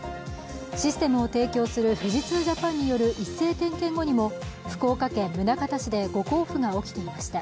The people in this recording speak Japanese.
システムを提供する富士通ジャパンによる一斉点検後にも、福岡県宗像市で誤交付が起きていました。